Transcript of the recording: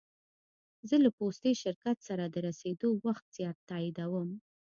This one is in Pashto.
زه له پوستي شرکت سره د رسېدو وخت تاییدوم.